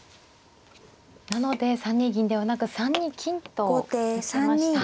なので３二銀ではなく３二金と行きました。